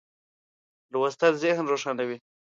لوستل ذهن روښانوي.